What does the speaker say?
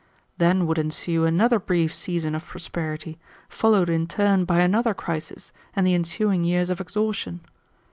Then would ensue another brief season of prosperity, followed in turn by another crisis and the ensuing years of exhaustion.